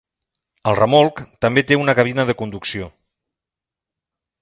El remolc també té una cabina de conducció.